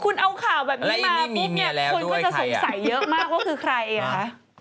ก็คุณเอาข่าวแบบนี้มาปุ๊บเนี้ยแล้วอันนี้มีแล้วด้วยใครอ่ะคนก็จะสงสัยเยอะมากว่าคือใครอ่ะคะ